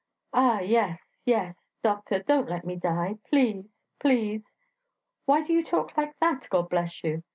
'Ah, yes, yes, doctor, don't let me die... please, please.' 'Why do you talk like that? God bless you!'